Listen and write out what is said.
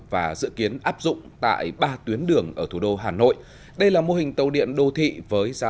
và dự kiến áp dụng tại ba tuyến đường ở thủ đô hà nội đây là mô hình tàu điện đô thị với giá